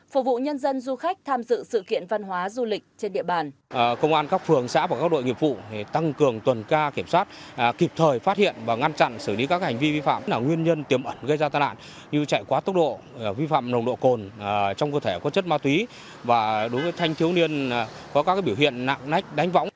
phục vụ nhân dân du khách tham dự sự kiện văn hóa du lịch trên địa bàn